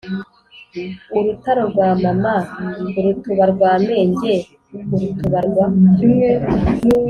u rutaro rwa mama, urutuba rwa menge, urutuba rwa